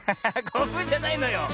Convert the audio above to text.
こぶじゃないのよ。